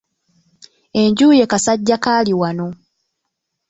Enju ye Kasajjakaaliwano.